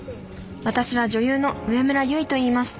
私は女優の植村友結といいます。